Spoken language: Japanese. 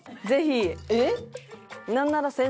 ぜひ。